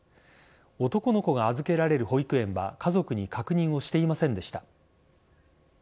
男の子が預けられる保育園は家族に確認をしていませんでした。